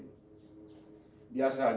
agar bisa berdua saja dengan bu ikin